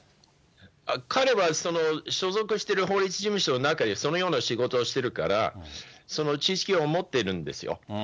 彼は所属してる法律事務所の中に、そのような仕事をしてるから、その知識を持ってるんですよ。